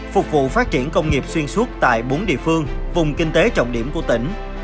phục vụ phát triển công nghiệp xuyên suốt tại bốn địa phương vùng kinh tế trọng điểm của tỉnh